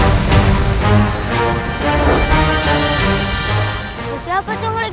iya kita sebenarnya yuk